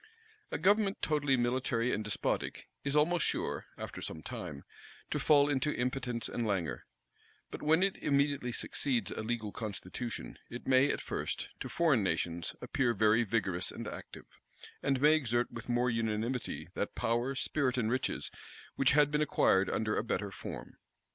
A government totally military and despotic, is almost sure, after some time, to fall into impotence and languor: but when it immediately succeeds a legal constitution, it may, at first, to foreign nations appear very vigorous and active, and may exert with more unanimity that power, spirit, and riches, which had been acquired under a better form.